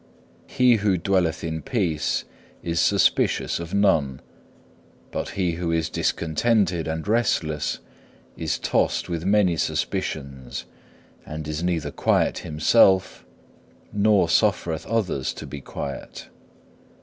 He who dwelleth in peace is suspicious of none, but he who is discontented and restless is tossed with many suspicions, and is neither quiet himself nor suffereth others to be quiet.